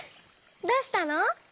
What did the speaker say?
どうしたの？